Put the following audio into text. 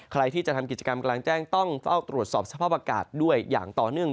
ใครที่จะทำกิจกรรมกลางแจ้งต้องเฝ้าตรวจสอบสภาพอากาศด้วยอย่างต่อเนื่อง